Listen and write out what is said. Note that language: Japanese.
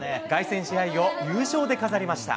凱旋試合を優勝で飾りました。